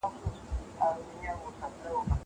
هغه وويل چي فکر ضروري دی.